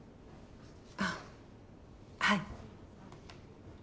あっはい。